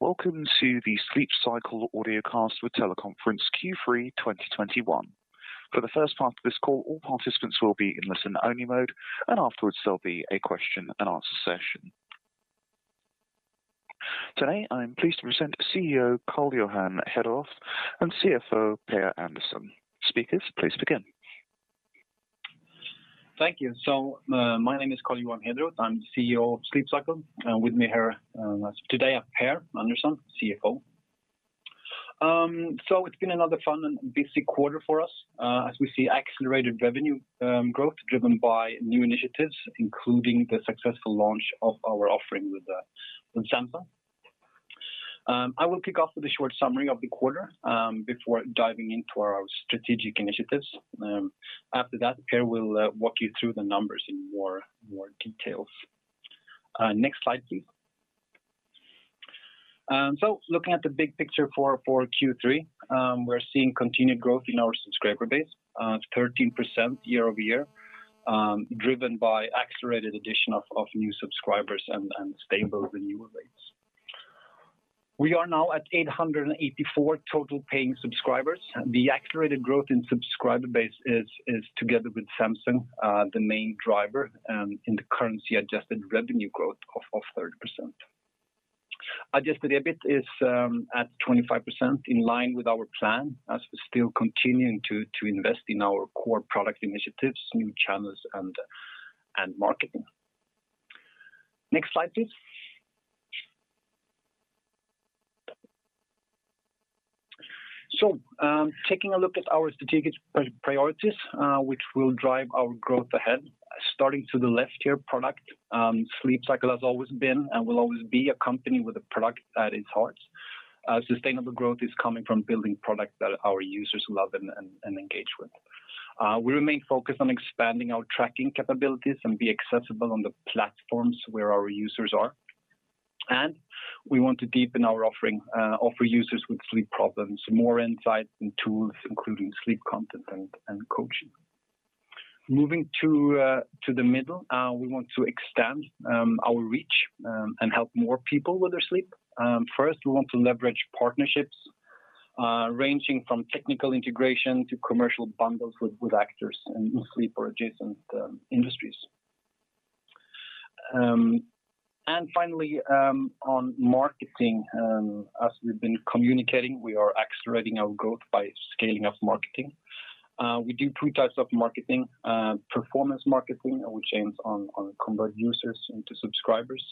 Welcome to the Sleep Cycle Audiocast with Teleconference Q3 2021. For the first part of this call, all participants will be in listen-only mode, and afterwards, there'll be a question-and-answer session. Today, I'm pleased to present CEO Carl-Johan Hederoth and CFO Per Andersson. Speakers, please begin. Thank you. My name is Carl-Johan Hederoth. I'm CEO of Sleep Cycle, and with me here today are Per Andersson, CFO. It's been another fun and busy quarter for us as we see accelerated revenue growth driven by new initiatives, including the successful launch of our offering with Samsung. I will kick off with a short summary of the quarter before diving into our strategic initiatives. After that, Per will walk you through the numbers in more details. Next slide, please. Looking at the big picture for Q3, we're seeing continued growth in our subscriber base 13% year-over-year driven by accelerated addition of new subscribers and stable renewal rates. We are now at 884 total paying subscribers. The accelerated growth in subscriber base is together with Samsung the main driver in the currency-adjusted revenue growth of 30%. Adjusted EBIT is at 25% in line with our plan as we're still continuing to invest in our core product initiatives, new channels and marketing. Next slide, please. Taking a look at our strategic priorities which will drive our growth ahead. Starting to the left here, product, Sleep Cycle has always been and will always be a company with a product at its heart. Sustainable growth is coming from building products that our users love and engage with. We remain focused on expanding our tracking capabilities and be accessible on the platforms where our users are. We want to deepen our offering, offer users with sleep problems more insight and tools, including sleep content and coaching. Moving to the middle, we want to extend our reach and help more people with their sleep. First, we want to leverage partnerships, ranging from technical integration to commercial bundles with actors in sleep or adjacent industries. And finally, on marketing, as we've been communicating, we are accelerating our growth by scaling up marketing. We do three types of marketing, performance marketing, which aims to convert users into subscribers,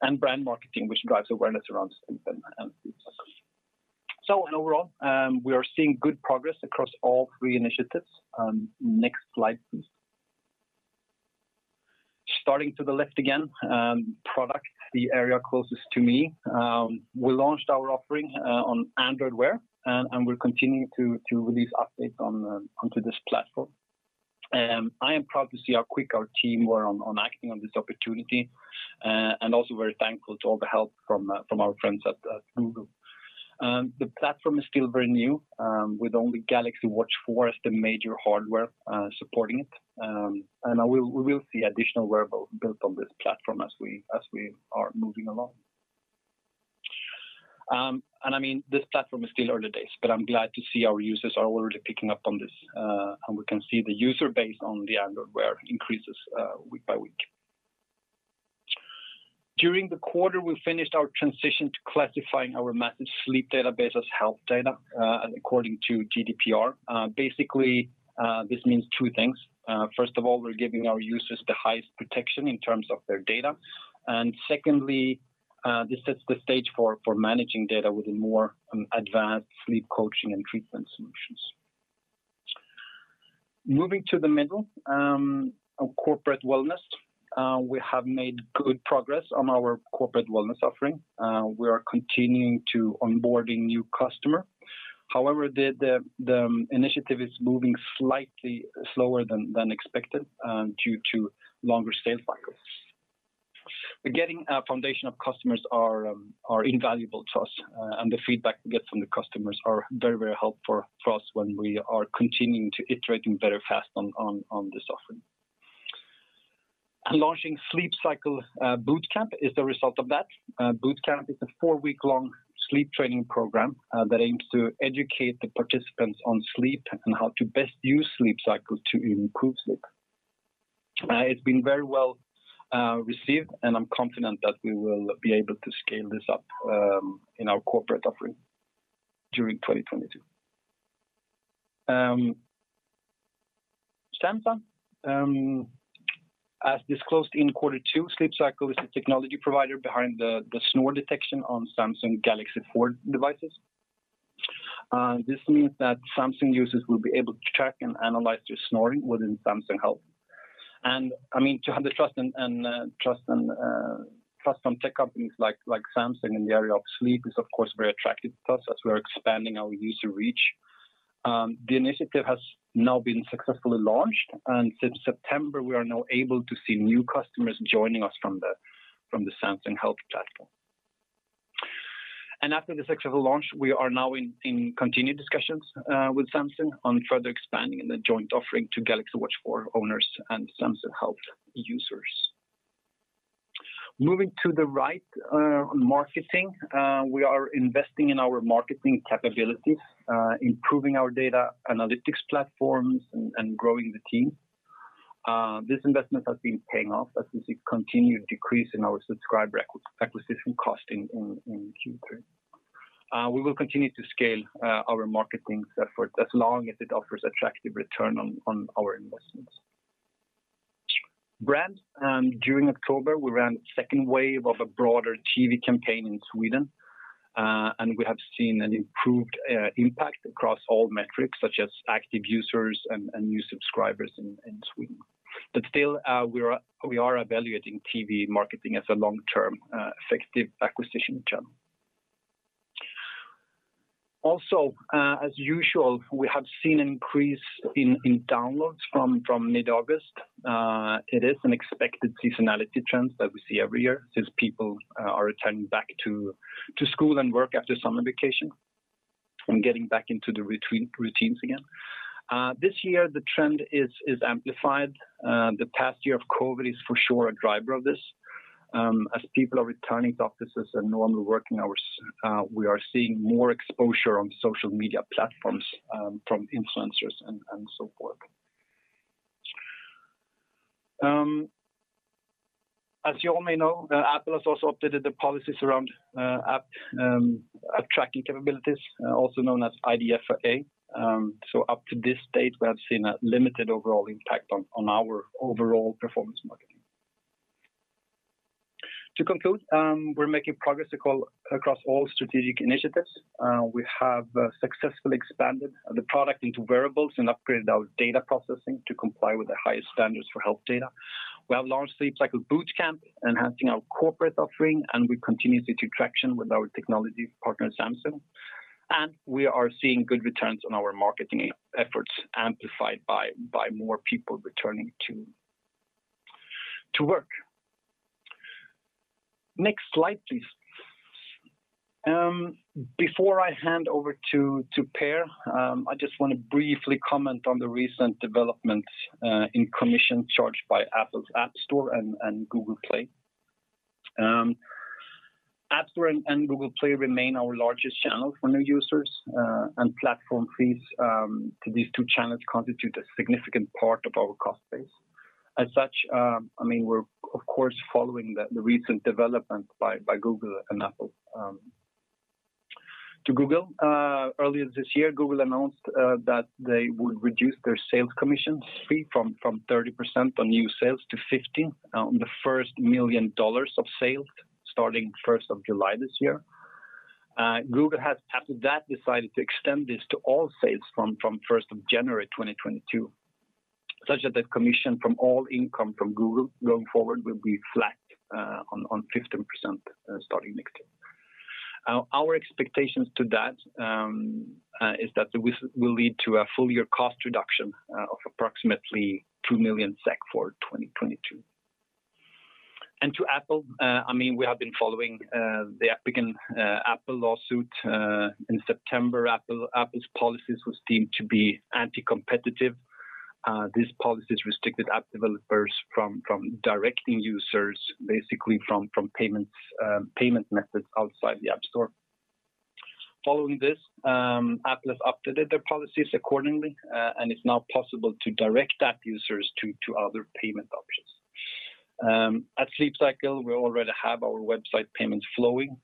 and brand marketing, which drives awareness around Sleep Cycle. Overall, we are seeing good progress across all three initiatives. Next slide, please. Starting to the left again, product, the area closest to me. We launched our offering on Android Wear and we're continuing to release updates onto this platform. I am proud to see how quick our team were on acting on this opportunity and also very thankful to all the help from our friends at Google. The platform is still very new with only Galaxy Watch 4 as the major hardware supporting it. We will see additional wearable built on this platform as we are moving along. I mean, this platform is still early days, but I'm glad to see our users are already picking up on this and we can see the user base on the Android Wear increases week by week. During the quarter, we finished our transition to classifying our massive sleep database as health data according to GDPR. Basically, this means two things. First of all, we're giving our users the highest protection in terms of their data. Secondly, this sets the stage for managing data within more advanced sleep coaching and treatment solutions. Moving to the B2B corporate wellness. We have made good progress on our corporate wellness offering. We are continuing to onboard new customers. However, the initiative is moving slightly slower than expected due to longer sales cycles. Getting a foundation of customers is invaluable to us, and the feedback we get from the customers is very helpful for us when we are continuing to iterate better and faster on this offering. Launching Sleep Boot Camp is the result of that. Sleep Boot Camp is a four-week-long sleep training program that aims to educate the participants on sleep and how to best use Sleep Cycle to improve sleep. It's been very well received, and I'm confident that we will be able to scale this up in our corporate offering during 2022. Samsung, as disclosed in quarter two, Sleep Cycle is the technology provider behind the snore detection on Samsung Galaxy Watch4 devices. This means that Samsung users will be able to track and analyze their snoring within Samsung Health. I mean, to have the trust from tech companies like Samsung in the area of sleep is of course very attractive to us as we are expanding our user reach. The initiative has now been successfully launched, and since September, we are now able to see new customers joining us from the Samsung Health platform. After the successful launch, we are now in continued discussions with Samsung on further expanding in the joint offering to Galaxy Watch 4 owners and Samsung Health users. Moving to the right, on marketing, we are investing in our marketing capabilities, improving our data analytics platforms and growing the team. This investment has been paying off as we see continued decrease in our subscriber acquisition cost in Q3. We will continue to scale our marketing effort as long as it offers attractive return on our investments. Brands, during October, we ran second wave of a broader TV campaign in Sweden, and we have seen an improved impact across all metrics, such as active users and new subscribers in Sweden. Still, we are evaluating TV marketing as a long-term effective acquisition channel. Also, as usual, we have seen an increase in downloads from mid-August. It is an expected seasonality trends that we see every year since people are returning back to school and work after summer vacation and getting back into the routines again. This year the trend is amplified. The past year of COVID is for sure a driver of this. As people are returning to offices and normal working hours, we are seeing more exposure on social media platforms, from influencers and so forth. As you all may know, Apple has also updated the policies around app tracking capabilities, also known as IDFA. Up to this date, we have seen a limited overall impact on our overall performance marketing. To conclude, we're making progress across all strategic initiatives. We have successfully expanded the product into wearables and upgraded our data processing to comply with the highest standards for health data. We have launched Sleep Boot Camp, enhancing our corporate offering, and we continue to see traction with our technology partner, Samsung. We are seeing good returns on our marketing efforts, amplified by more people returning to work. Next slide, please. Before I hand over to Per, I just wanna briefly comment on the recent developments in commissions charged by Apple's App Store and Google Play. App Store and Google Play remain our largest channels for new users, and platform fees to these two channels constitute a significant part of our cost base. As such, I mean, we're of course following the recent development by Google and Apple. To Google, earlier this year, Google announced that they would reduce their sales commission fee from 30% on new sales to 15% on the first $1 million of sales starting July 1 this year. Google has after that decided to extend this to all sales from January 1, 2022, such that the commission from all income from Google going forward will be flat on 15% starting next year. Our expectations to that is that this will lead to a full year cost reduction of approximately 2 million SEK for 2022. To Apple, I mean, we have been following the Epic Games v. Apple lawsuit in September. Apple's policies was deemed to be anti-competitive. These policies restricted app developers from directing users basically from payment methods outside the App Store. Following this, Apple has updated their policies accordingly and it's now possible to direct app users to other payment options. At Sleep Cycle, we already have our website payments flowing,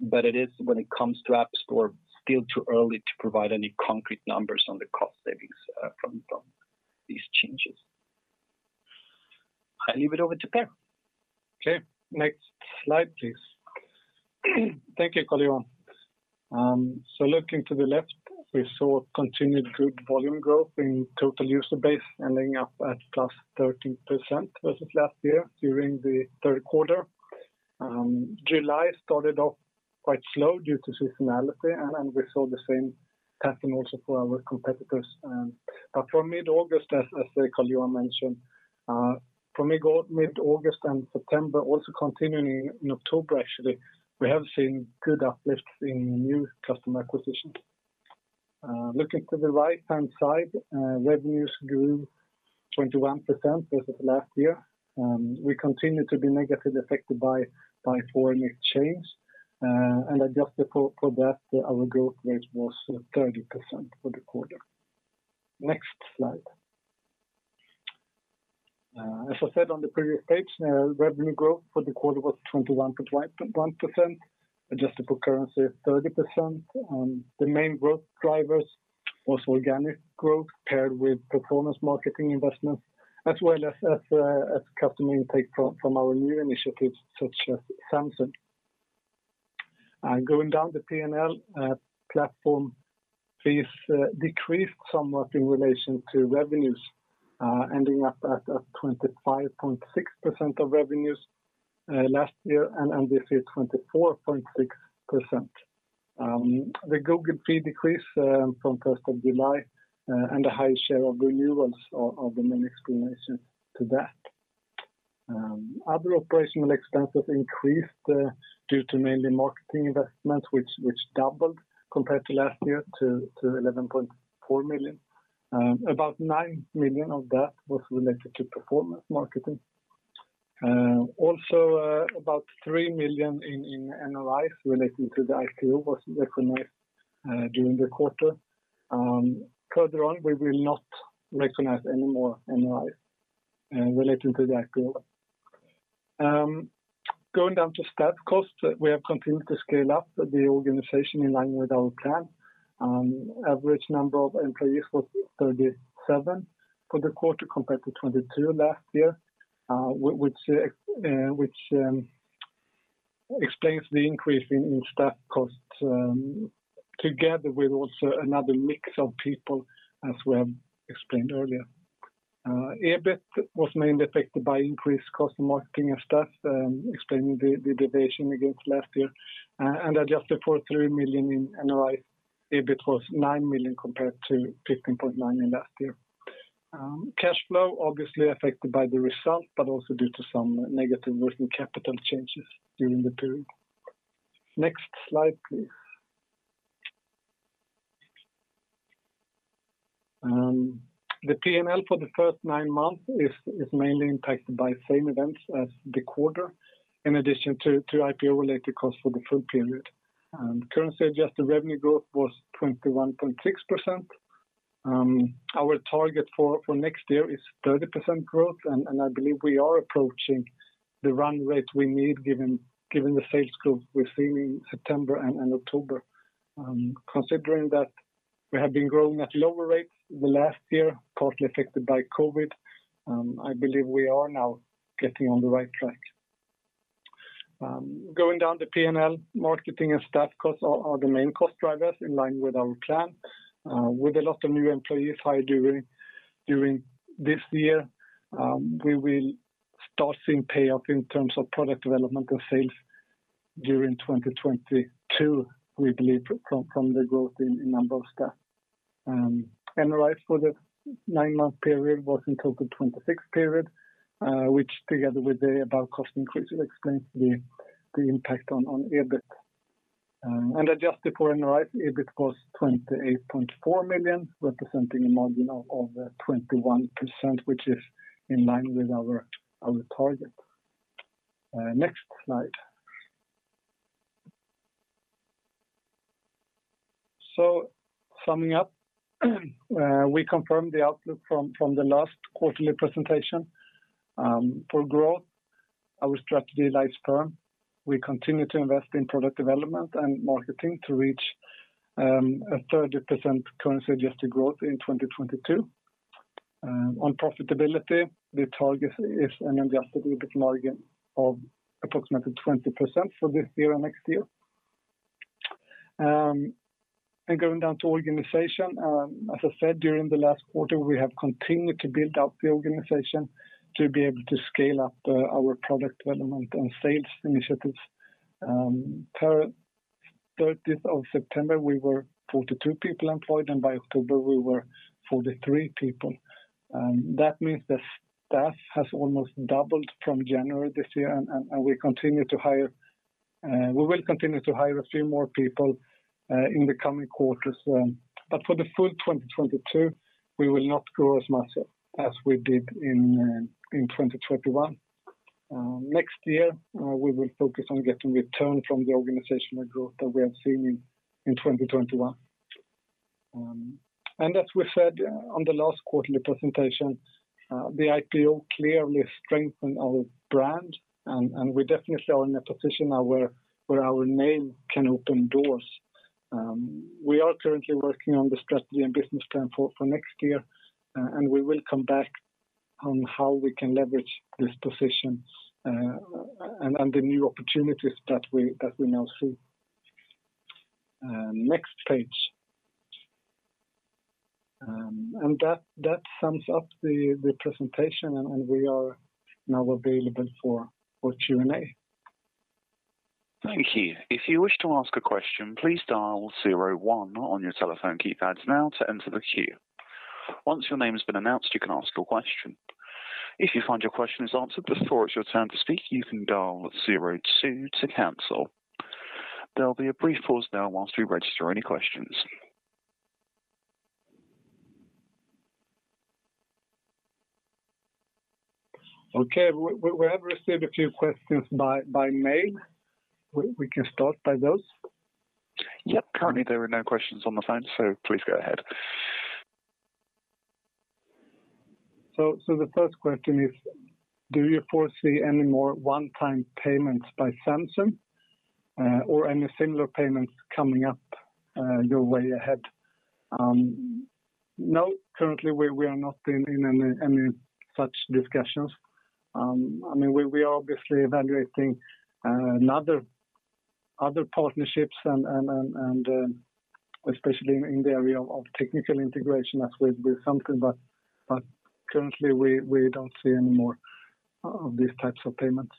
but it is, when it comes to App Store, still too early to provide any concrete numbers on the cost savings from these changes. I leave it over to Per. Okay, next slide, please. Thank you, Carl-Johan. Looking to the left, we saw continued good volume growth in total user base, ending up at +13% versus last year during the third quarter. July started off quite slow due to seasonality, and we saw the same pattern also for our competitors. From mid-August, as Carl-Johan mentioned, from mid-August and September, also continuing in October, actually, we have seen good uplifts in new customer acquisitions. Looking to the right-hand side, revenues grew 21% versus last year. We continue to be negatively affected by foreign exchange. Adjusted for that, our growth rate was 30% for the quarter. Next slide. As I said on the previous page, revenue growth for the quarter was 21.1%. Adjusted for currency, 30%. The main growth drivers was organic growth paired with performance marketing investments, as well as customer intake from our new initiatives such as Samsung. Going down the P&L, platform fees decreased somewhat in relation to revenues, ending up at 25.6% of revenues last year and this year, 24.6%. The Google fee decrease from 1st of July and the high share of renewals are the main explanation to that. Other operational expenses increased due to mainly marketing investments which doubled compared to last year to 11.4 million. About 9 million of that was related to performance marketing. Also, about 3 million in NRIs relating to the IPO was recognized during the quarter. Further on, we will not recognize any more NRIs relating to the IPO. Going down to staff costs, we have continued to scale up the organization in line with our plan. Average number of employees was 37 for the quarter compared to 22 last year, which explains the increase in staff costs together with also another mix of people as we have explained earlier. EBIT was mainly affected by increased cost in marketing and staff, explaining the deviation against last year. Adjusted for 3 million in NRIs, EBIT was 9 million compared to 15.9 million last year. Cash flow obviously affected by the result but also due to some negative working capital changes during the period. Next slide, please. The P&L for the first nine months is mainly impacted by same events as the quarter in addition to IPO-related costs for the full period. Currency adjusted revenue growth was 21.6%. Our target for next year is 30% growth, and I believe we are approaching the run rate we need given the sales growth we've seen in September and October. Considering that we have been growing at lower rates in the last year, partly affected by COVID, I believe we are now getting on the right track. Going down the P&L, marketing and staff costs are the main cost drivers in line with our plan. With a lot of new employees hired during this year, we will start seeing payoff in terms of product development and sales during 2022, we believe, from the growth in number of staff. NRIs for the nine-month period was in total 26 million, which together with the above cost increase explains the impact on EBIT. Adjusted for NRIs, EBIT was 28.4 million, representing a margin of 21%, which is in line with our target. Next slide. Summing up, we confirm the outlook from the last quarterly presentation for growth. Our strategy remains firm. We continue to invest in product development and marketing to reach a 30% currency adjusted growth in 2022. On profitability, the target is an adjusted EBIT margin of approximately 20% for this year and next year. Going down to organization, as I said during the last quarter, we have continued to build out the organization to be able to scale up our product development and sales initiatives. As of September 30, we were 42 people employed, and by October we were 43 people. That means the staff has almost doubled from January this year. We will continue to hire a few more people in the coming quarters. For the full 2022, we will not grow as much as we did in 2021. Next year, we will focus on getting return from the organizational growth that we have seen in 2021. As we said on the last quarterly presentation, the IPO clearly strengthened our brand and we definitely are in a position now where our name can open doors. We are currently working on the strategy and business plan for next year, and we will come back on how we can leverage this position and the new opportunities that we now see. Next page. That sums up the presentation and we are now available for Q&A. Thank you. If you wish to ask a question, please dial zero one on your telephone keypads now to enter the queue. Once your name has been announced, you can ask your question. If you find your question is answered before it's your turn to speak, you can dial zero two to cancel. There'll be a brief pause now whilst we register any questions. Okay. We have received a few questions by mail. We can start by those. Yep. Currently, there are no questions on the phone, so please go ahead. The first question is, do you foresee any more one-time payments by Samsung, or any similar payments coming up your way ahead? No. Currently, we are not in any such discussions. I mean, we are obviously evaluating other partnerships and especially in the area of technical integration as we did something, but currently we don't see any more of these types of payments.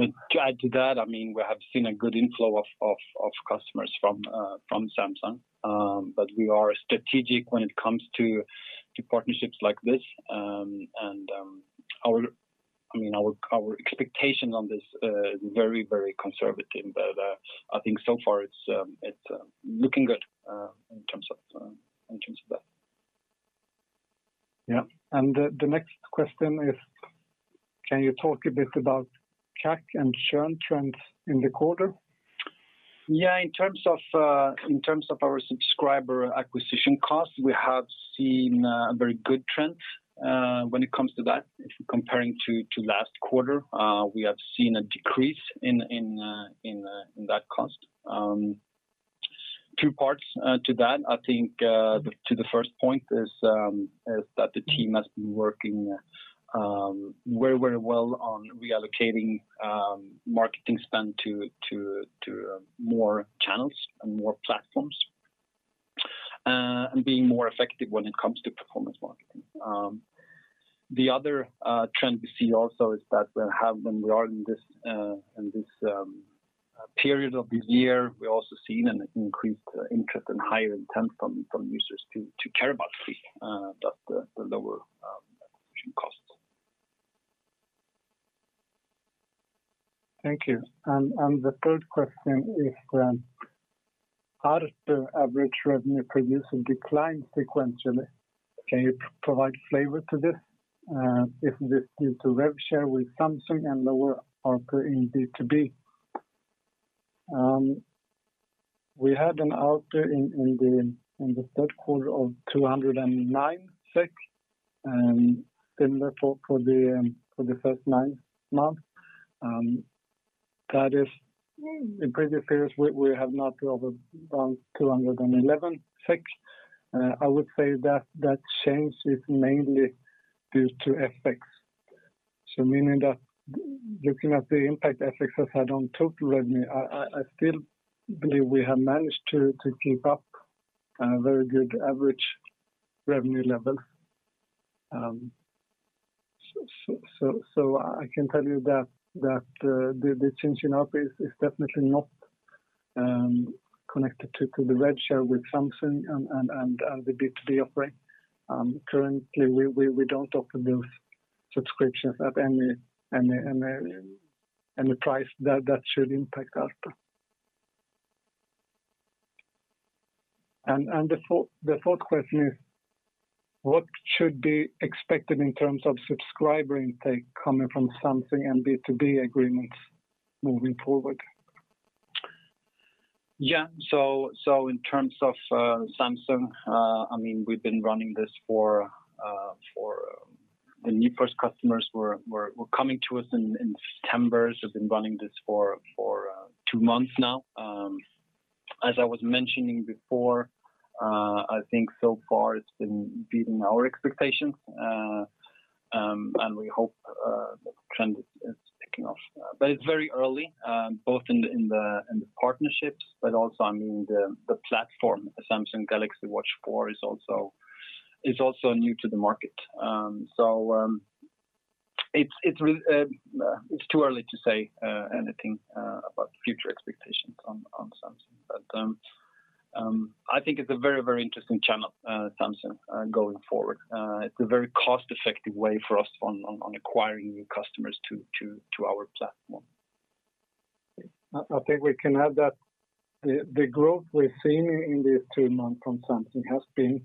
To add to that, I mean, we have seen a good inflow of customers from Samsung. We are strategic when it comes to partnerships like this. I mean, our expectation on this is very, very conservative. I think so far it's looking good in terms of that. Yeah. The next question is, can you talk a bit about CAC and churn trends in the quarter? Yeah. In terms of our subscriber acquisition costs, we have seen a very good trend when it comes to that. Comparing to last quarter, we have seen a decrease in that cost. Two parts to that. I think to the first point is that the team has been working very well on reallocating marketing spend to more channels and more platforms and being more effective when it comes to performance marketing. The other trend we see also is that we have when we are in this period of this year, we're also seeing an increased interest and higher intent from users to care about sleep that the lower acquisition costs. Thank you. The third question is, how does the average revenue per user decline sequentially? Can you provide flavor to this? Is this due to rev share with Samsung and lower ARPU in B2B? We had an ARPU in the third quarter of 209 SEK, similar for the first nine months. That is, in previous years we have had around 211 SEK. I would say that change is mainly due to FX. Meaning that looking at the impact FX has had on total revenue, I still believe we have managed to keep up a very good average revenue level. I can tell you that the change in ARPU is definitely not connected to the rev share with Samsung and the B2B offering. Currently, we don't offer those subscriptions at any price that should impact ARPU. The fourth question is, what should be expected in terms of subscriber intake coming from Samsung and B2B agreements moving forward? Yeah, in terms of Samsung, I mean, we've been running this for the new first customers were coming to us in September. We've been running this for 2 months now. As I was mentioning before, I think so far it's been beating our expectations. We hope the trend is kicking off. It's very early both in the partnerships, but also, I mean, the platform, the Samsung Galaxy Watch 4 is also new to the market. It's too early to say anything about future expectations on Samsung. I think it's a very, very interesting channel, Samsung, going forward. It's a very cost-effective way for us on acquiring new customers to our platform. I think we can add that the growth we're seeing in these two months from Samsung has been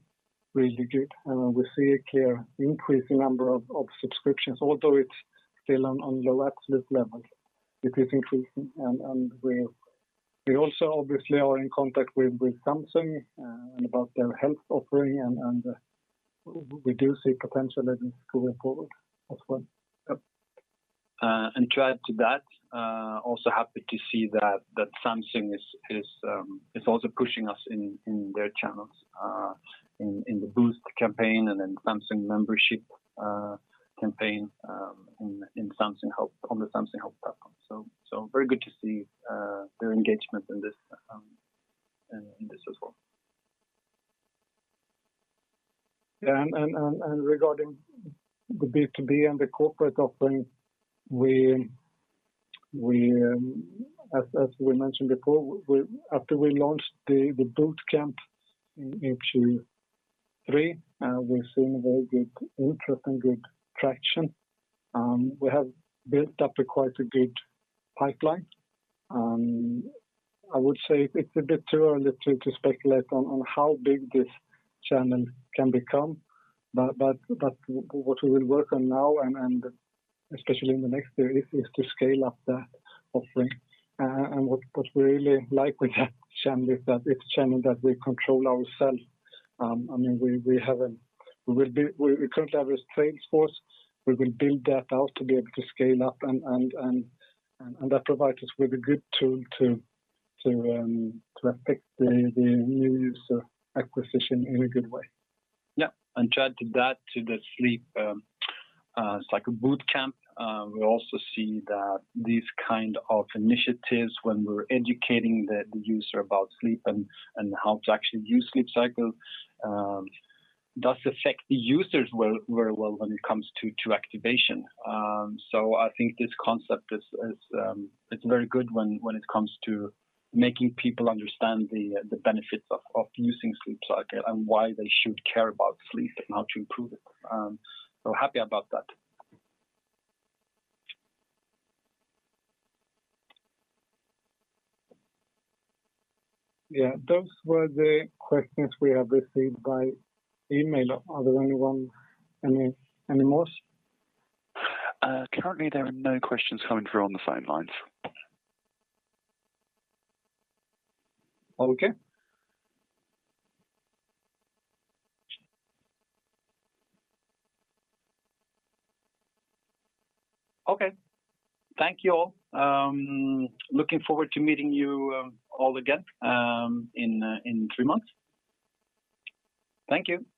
really good, and we see a clear increase in number of subscriptions, although it's still on low absolute levels. It is increasing and we're also obviously in contact with Samsung and about their health offering and we do see potential in going forward as well. Yep. To add to that, also happy to see that Samsung is also pushing us in their channels, in the boost campaign and then Samsung Members campaign, in Samsung Health on samsunghealth.com. Very good to see their engagement in this as well. Yeah, regarding the B2B and the corporate offering, as we mentioned before, after we launched the Boot Camp in Q3, we've seen very good interest and good traction. We have built up quite a good pipeline. I would say it's a bit too early to speculate on how big this channel can become. What we will work on now and especially in the next year is to scale up the offering. What we really like with that channel is that it's a channel that we control ourselves. I mean, we currently have a sales force. We will build that out to be able to scale up and that provide us with a good tool to affect the new user acquisition in a good way. To add to that, to the sleep, it's like a boot camp. We also see that these kind of initiatives when we're educating the user about sleep and how to actually use Sleep Cycle does affect the users very well when it comes to activation. I think this concept is very good when it comes to making people understand the benefits of using Sleep Cycle and why they should care about sleep and how to improve it. Happy about that. Yeah. Those were the questions we have received by email. Are there anyone, any more? Currently, there are no questions coming through on the phone lines. Okay. Okay. Thank you all. Looking forward to meeting you all again in three months. Thank you.